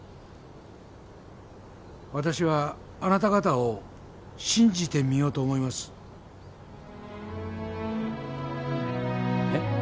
私はあなた方を信じてみようと思いますえっ？